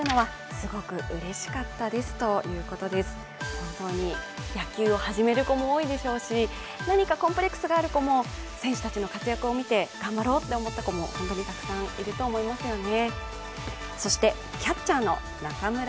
本当に野球を始める子も多いでしょうし何かコンプレックスがある子も、選手たちの活躍を見て頑張ろうと思った子も、本当にたくさんいると思いますよね。